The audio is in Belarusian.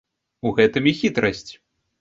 У гэтым і хітрасць.